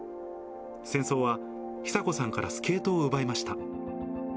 戦争は久子さんからスケートを奪いました。